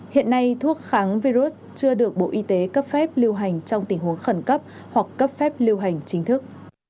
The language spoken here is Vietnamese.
hiện nay thuốc kháng virus chưa được bộ y tế cấp phép lưu hành trong tình huống khẩn cấp hoặc cấp phép lưu hành chính thức